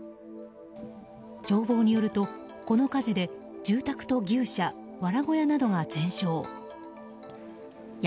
消防によるとこの火事で住宅と牛舎、わら小屋などが全焼。